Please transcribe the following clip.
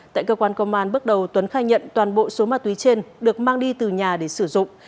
tại cơ quan công an bước đầu tuấn khai nhận toàn bộ số ma túy trên được mang đi từ nhà để sử dụng